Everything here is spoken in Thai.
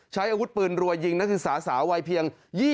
ใช้อาวุธปืนรัวยิงนักศึกษาสาววัยเพียง